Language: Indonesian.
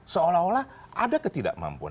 seolah olah ada ketidakmampuan